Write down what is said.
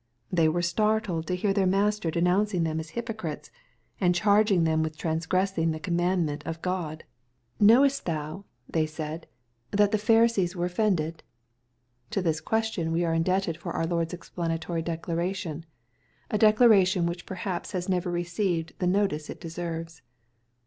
They were startled to hear their Master denouncing them as hypocrites, and 176 EXPOSITORY THOUGHTS. chaining them with transgressing the commandment of God. " Knowest thou/' they said, " that the Pharisees were offended." To this question we are indebted for our Lord^s explanatory declaration — a declaration which perhaps has never received the notice it deserves.